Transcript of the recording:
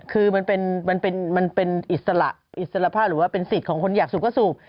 คือมันเป็นอิสระอิสระภาพหรือว่าเป็นสิทธิ์ของคนอยากสูบก็สูบ